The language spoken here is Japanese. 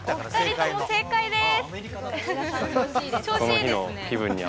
お２人とも正解です。